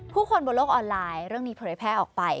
คนบนโลกออนไลน์เรื่องนี้เผยแพร่ออกไป